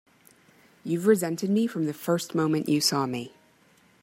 You've resented me from the first moment you saw me!